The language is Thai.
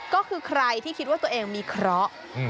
ก็คือใครที่คิดว่าตัวเองมีเคราะห์